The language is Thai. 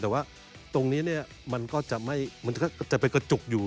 แต่ว่าตรงนี้เนี้ยมันก็จะไม่มันก็จะเป็นกระจุกอยู่